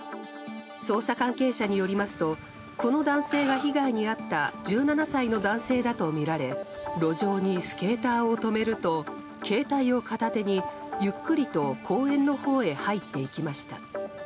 捜査関係者によりますとこの男性が被害に遭った１７歳の男性だとみられ路上にスケーターを止めると携帯を片手にゆっくりと公園のほうへ入っていきました。